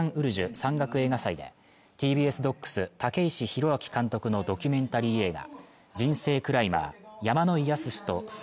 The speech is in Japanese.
山岳映画祭でＴＢＳＤＯＣＳ武石浩明監督のドキュメンタリー映画